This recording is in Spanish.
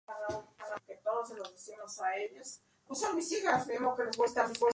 Las polillas son diurnas, más activas en la tarde y en días nublados.